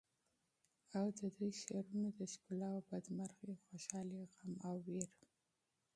او ددوی د شعرونو د ښکلاوو بد مرغي، خوشالی، غم او وېر